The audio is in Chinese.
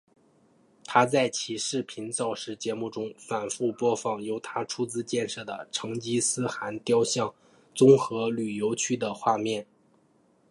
他在其视频造势节目中反复播放由他出资建设的成吉思汗雕像综合旅游区的画面。